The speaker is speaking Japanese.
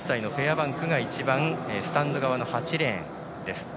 バンクが一番スタンド側の８レーンです。